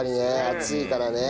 暑いからね。